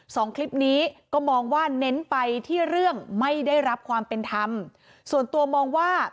สองคลิปนี้ก็มองว่าเน้นไปที่เรื่องไม่ได้รับความเป็นธรรมส่วนตัวมองว่า